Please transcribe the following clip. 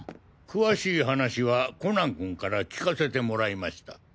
詳しい話はコナン君から聞かせてもらいました。